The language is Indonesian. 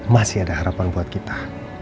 masih ada harapan buat kita